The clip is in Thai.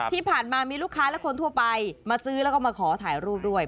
ทุกค้าและคนทั่วไปมาซื้อแล้วก็มาขอถ่ายรูปด้วย